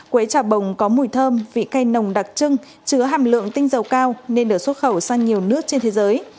quế trà bồng có mùi thơm vị cây nồng đặc trưng chứa hàm lượng tinh dầu cao nên được xuất khẩu sang nhiều nước trên thế giới